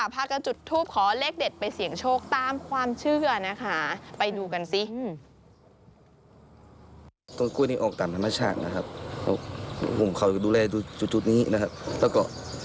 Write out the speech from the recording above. พากันจุดทูปขอเลขเด็ดไปเสี่ยงโชคตามความเชื่อนะคะไปดูกันสิ